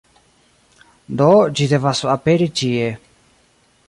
Do, ĝi devas aperi ĉie